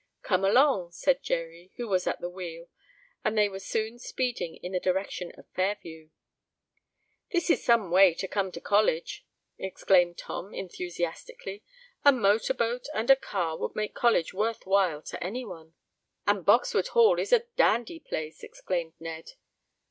"Come along," said Jerry, who was at the wheel; and they were soon speeding in the direction of Fairview. "This is some way to come to college!" exclaimed Tom, enthusiastically. "A motor boat and a car would make college worth while to anyone." "And Boxwood Hall is a dandy place!" exclaimed Ned.